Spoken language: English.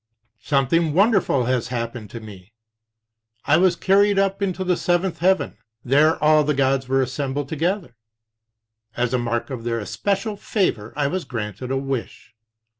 "Something wonderful has happened to me. I was carried up into the seventh heaven. There all the gods were assembled together. As a mark of their especial favor I was granted a wish.